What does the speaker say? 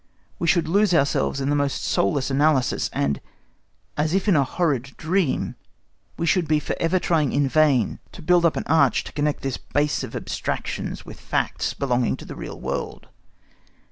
We should lose ourselves in the most soulless analysis, and as if in a horrid dream, we should be for ever trying in vain to build up an arch to connect this base of abstractions with facts belonging to the real world.